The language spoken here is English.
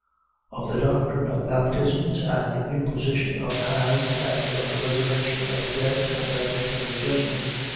Of the doctrine of baptisms and imposition of hands, and of the resurrection of the dead, and of eternal judgment.